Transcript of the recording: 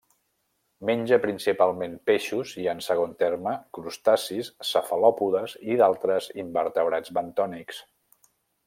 Menja principalment peixos i, en segon terme, crustacis, cefalòpodes i d'altres invertebrats bentònics.